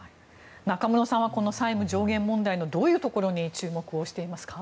中室さんはこの債務上限問題のどういうところに注目されていますか。